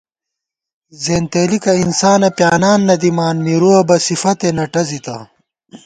زېنتېلِکہ انسانہ پیانان نہ دِمان، مِرُوَہ بہ سِفَتے نہ ٹَزِتہ